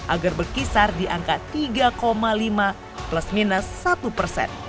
agar berkisar di angka tiga lima plus minus satu persen